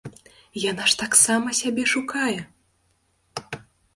Яна ж таксама сябе шукае!